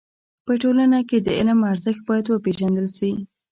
په ټولنه کي د علم ارزښت بايد و پيژندل سي.